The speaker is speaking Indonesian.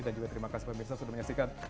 dan juga terima kasih pemirsa sudah menyaksikan